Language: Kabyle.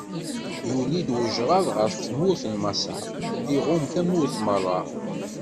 Yuli-d ujṛad ɣef tmurt n Maṣer, iɣumm tamurt meṛṛa.